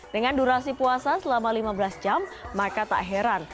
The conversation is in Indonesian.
dengan durasi puasa selama lima belas jam maka tak heran